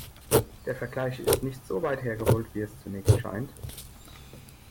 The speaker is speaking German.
Der Vergleich ist nicht so weit hergeholt, wie es zunächst scheint.